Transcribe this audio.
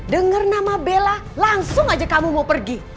dengar nama bella langsung aja kamu mau pergi